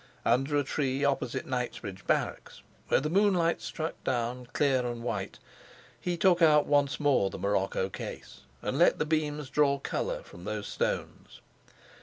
Under a tree opposite Knightsbridge Barracks, where the moonlight struck down clear and white, he took out once more the morocco case, and let the beams draw colour from those stones.